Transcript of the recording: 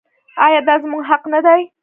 آیا دا زموږ حق نه دی؟